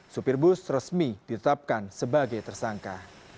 supir bus resmi ditetapkan sebagai tersangka